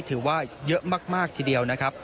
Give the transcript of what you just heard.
ถือว่าเยอะมากทีเดียวนะครับ